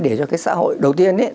để cho cái xã hội đầu tiên ý